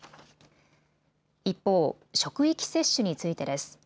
一方、職域接種についてです。